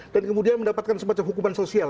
dan kemudian mendapatkan semacam hukuman sosial